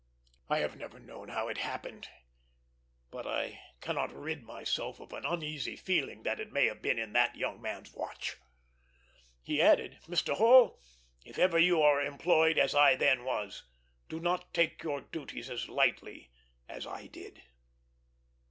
I never have known how it happened, but I cannot rid myself of an uneasy feeling that it may have been in that young man's watch." He added, "Mr. Hall, if ever you are employed as I then was, do not take your duties as lightly as I did."